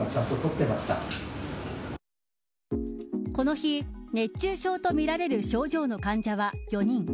この日、熱中症とみられる症状の患者は４人。